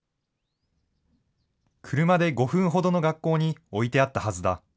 車で５分ほどの学校に置いてあったはずだ。